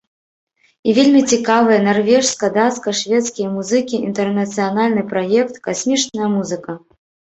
І вельмі цікавыя нарвежска-дацка-шведскія музыкі, інтэрнацыянальны праект, касмічная музыка!